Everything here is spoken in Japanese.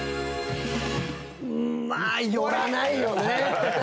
まあ寄らないよね。